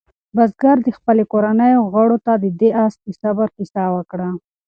بزګر د خپلې کورنۍ غړو ته د دې آس د صبر کیسه وکړه.